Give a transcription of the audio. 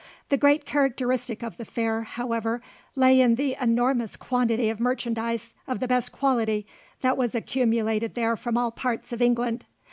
The great characteristic of the fair, however, lay in the enormous quantity of merchandise of the best quality that was accumulated there from all parts of England.